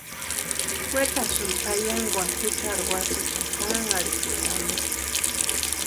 Wetarhesïnti eyankwani juchari watsïichani janhanharhikwaeri ampe.